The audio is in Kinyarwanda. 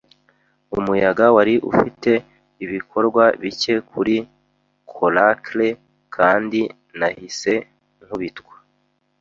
Umuyaga wari ufite ibikorwa bike kuri coracle, kandi nahise nkubitwa